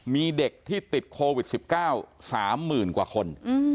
มีเด็กที่ติดโควิด๑๙๓๐๐๐กว่าคน